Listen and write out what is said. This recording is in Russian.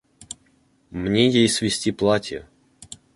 Мне ей свезти платья.